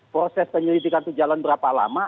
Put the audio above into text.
proses penyelidikan itu jalan berapa lama